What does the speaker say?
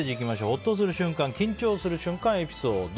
ほっとする瞬間＆緊張する瞬間エピソード。